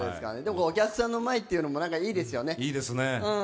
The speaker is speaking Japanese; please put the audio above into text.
お客さんの前というのもいいですよね。